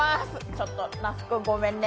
ちょっと那須君ごめんね。